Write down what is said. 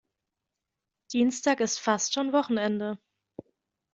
Dienstag ist fast schon Wochenende.